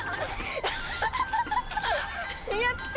やった！